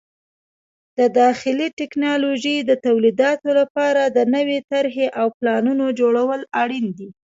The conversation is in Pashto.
د داخلي ټکنالوژۍ د تولیداتو لپاره د نوې طرحې او پلانونو جوړول اړین دي.